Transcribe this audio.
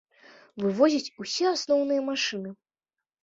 Вывозяць усе асноўныя машыны.